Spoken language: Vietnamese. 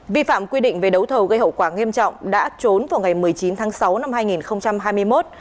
vi phạm quy định về đấu thầu gây hậu quả nghiêm trọng đã trốn vào ngày một mươi chín tháng sáu năm hai nghìn hai mươi một